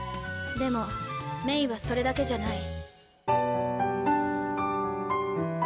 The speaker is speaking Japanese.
でもメイはそれだけじゃない。